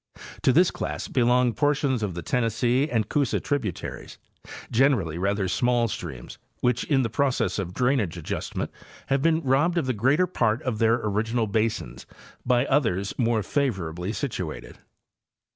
To this class belong portions of the Tennessee and Coosa tributaries, generally rather small streams which in the process of drainage adjustment have been robbed of the greater part of their original basins by others more favorably situated.